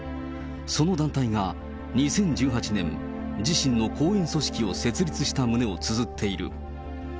その団体が２０１８年、自身の後援組織を作った旨をつづっている。